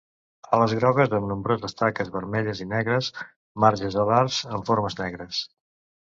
Ales grogues amb nombroses taques vermelles i negres; marges alars amb formes negres.